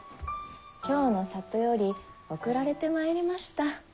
京の里より送られてまいりました。